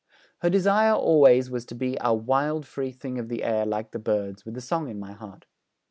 Her desire, always, was to be 'a wild free thing of the air like the birds, with a song in my heart.'